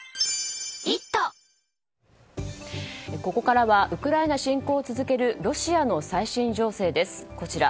ここからはウクライナ侵攻を続けるロシアの最新情勢です。